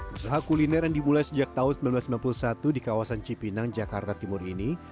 usaha kuliner yang dimulai sejak tahun seribu sembilan ratus sembilan puluh satu di kawasan cipinang jakarta timur ini